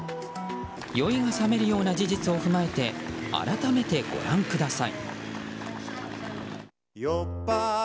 酔いがさめるような事実を踏まえて改めてご覧ください。